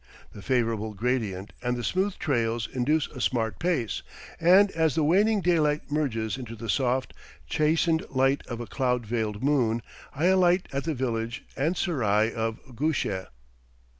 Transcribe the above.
The favorable gradient and the smooth trails induce a smart pace, and as the waning daylight merges into the soft, chastened light of a cloud veiled moon, I alight at the village and serai of Gusheh.